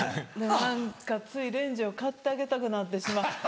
何かついレンジを買ってあげたくなってしまった。